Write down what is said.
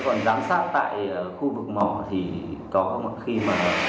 còn giám sát tại khu vực mỏ thì có một khi mà